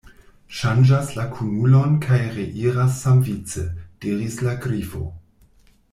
"Ŝanĝas la kunulon kaj reiras samvice," diris la Grifo.